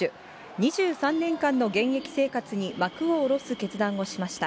２３年間の現役生活に幕を下ろす決断をしました。